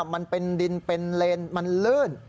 มันเป็นดินเป็นเลนมันลื่น